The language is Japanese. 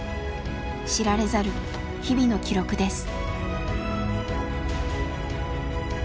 知られざる日々の記録です。